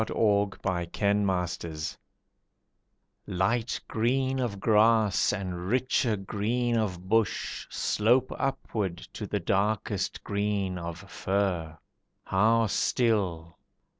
THE GUNS IN SUSSEX Light green of grass and richer green of bush Slope upwards to the darkest green of fir. How still!